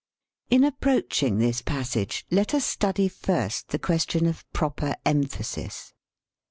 In approaching this passage let us study first the question of proper em phasis.